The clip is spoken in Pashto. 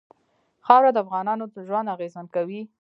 خاوره د افغانانو ژوند اغېزمن کوي.